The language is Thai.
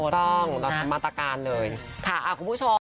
ต้องเราทำมาตรการเลยค่ะคุณผู้ชม